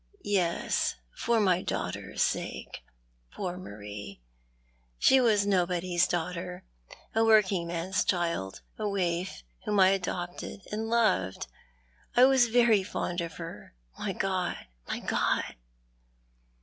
"Yes, for my daughter's sake. Poor Marie! She was nobody's daughter— a working man's child — a waif, whom I adopted — and loved. I was very fond of her — my God, my God!"